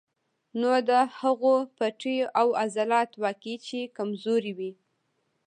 نو د هغو پټې او عضلات واقعي چې کمزوري وي